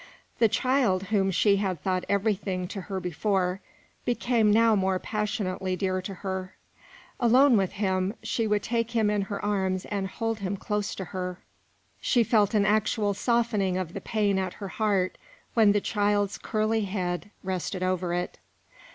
The child, whom she had thought everything to her before, became now more passionately dear to her. Alone with him, she would take him in her arms and hold him close to her; she felt an actual softening of the pain at her heart when the child's curly head rested over it.